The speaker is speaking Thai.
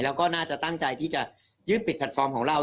แล้วก็น่าจะตั้งใจที่จะยื่นปิดแพลตฟอร์มของเรา